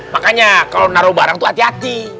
makanya kalau naruh barang itu hati hati